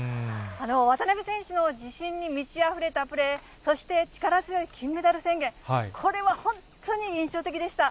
渡辺選手の自信に満ちあふれたプレー、そして、力強い金メダル宣言、これは本当に印象的でした。